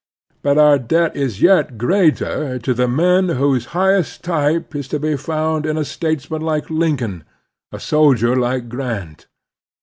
But our debt is yet greater to the men whose highest type is to be fotmd in a statesman like Lincoln, a soldier like Grant.